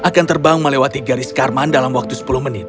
akan terbang melewati garis karman dalam waktu sepuluh menit